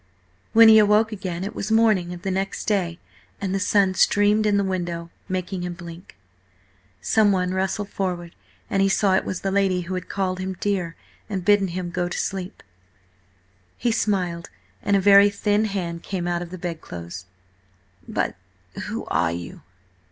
When he awoke again it was morning of the next day, and the sun streamed in the window, making him blink. Someone rustled forward, and he saw it was the lady who had called him dear and bidden him go to sleep. He smiled, and a very thin hand came out of the bedclothes. "But who are you?"